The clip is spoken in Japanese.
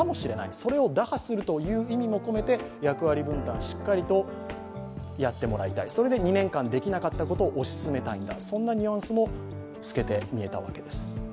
それを打破するという意味も込めて、役割分担しっかりとやってもらいたい、それで２年間できなかったことを推し進めたい、そんなニュアンスも透けて見えます。